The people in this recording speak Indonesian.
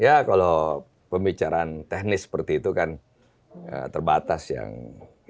ya kalau pembicaraan teknis seperti itu kan terbatas yang